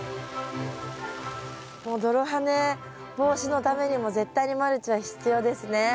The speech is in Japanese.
もう泥跳ね防止のためにも絶対にマルチは必要ですね。